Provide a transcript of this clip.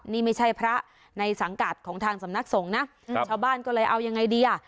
นี่ไม่ใช่พระในสังกัดของทางสำนักสงฆ์นะชาวบ้านก็เลยเอายังไงดีอ่ะ